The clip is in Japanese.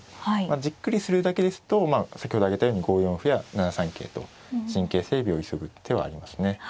じっくりするだけですと先ほど挙げたように５四歩や７三桂と陣形整備を急ぐ手はありますね。